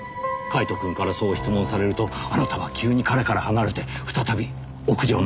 カイトくんからそう質問されるとあなたは急に彼から離れて再び屋上の縁に立った。